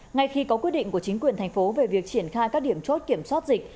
ngay khi có quyết định của chính quyền thành phố về việc triển khai các điểm chốt kiểm soát dịch